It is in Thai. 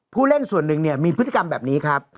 ผู้เล่นส่วนหนึ่งเนี่ยมีพฤติกรรมแบบนี้ครับ